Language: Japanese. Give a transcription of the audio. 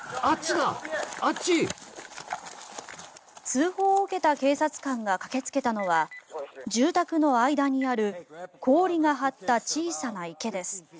通報を受けた警察官が駆けつけたのは住宅の間にある氷が張った小さな池です。